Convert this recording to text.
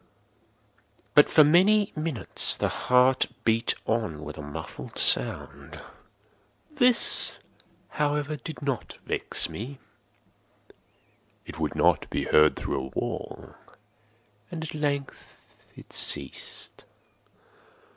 But, for many minutes, the heart beat on with a muffled sound. This, however, did not vex me; it would not be heard through the wall. At length it ceased.